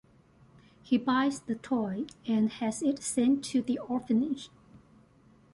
He buys the toy and has it sent to the orphanage.